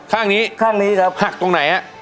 ข้างนี้หักตรงไหนครับ